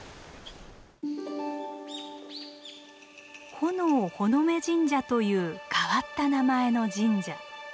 「火男火売神社」という変わった名前の神社。